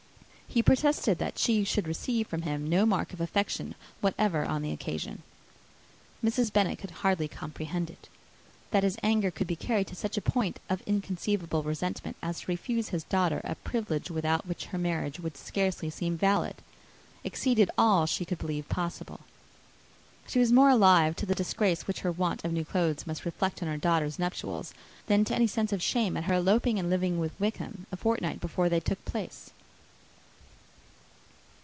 He protested that she should receive from him no mark of affection whatever on the occasion. Mrs. Bennet could hardly comprehend it. That his anger could be carried to such a point of inconceivable resentment as to refuse his daughter a privilege, without which her marriage would scarcely seem valid, exceeded all that she could believe possible. She was more alive to the disgrace, which her want of new clothes must reflect on her daughter's nuptials, than to any sense of shame at her eloping and living with Wickham a fortnight before they took place.